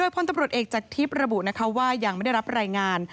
พลตำรวจเอกจากธิปรบุวายังได้รับรายงาน